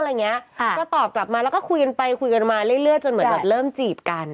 แล้วก็คุยกันไปคุยกันมาเรื่อยจนเหมือนแบบเริ่มจีบกัน